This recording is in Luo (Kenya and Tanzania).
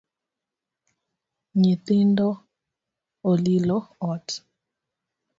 Nythindo olilo ot